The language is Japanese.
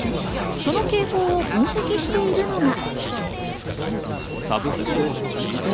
その傾向を分析しているのが。